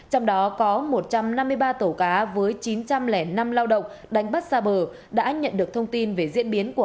trong đó có một trăm năm mươi ba tàu cá với chín trăm linh năm lao động đánh bắt xa bờ đã nhận được thông tin về diễn biến của